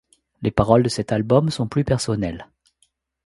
Les paroles de cet album sont plus personnelles.